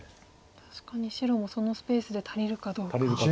確かに白もそのスペースで足りるかどうか。